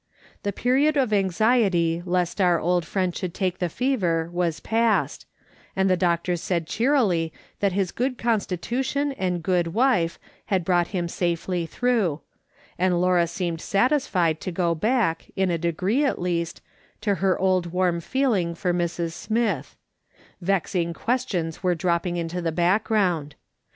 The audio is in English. The period of anxiety lest our old friend should take the fever was past, and the doctor said cheerily, that his good constitution and good wife had brought him safely through ; and Laura seemed satisfied to go back, in a degree, at least, to her old warm feeling for Mrs. Smith ; vexing questions were dropping into the background.